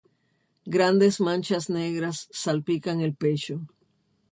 Grandes manchas negras salpican el pecho.